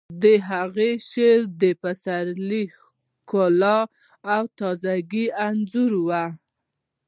د هغه شعر د پسرلي ښکلا او تازه ګي انځوروي